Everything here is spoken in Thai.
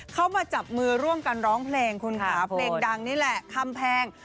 เขามาจับมือร่วมกันร้องเพลงคุณค่ะเพลงดังนี่แหละคำแพง